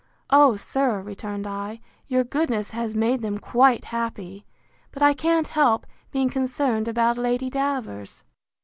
O, sir, returned I, your goodness has made them quite happy! But I can't help being concerned about Lady Davers.